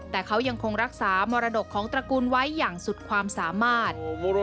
แต่เขายังคงรักษามรดกของตระกูลไว้อย่างสุดความสามารถ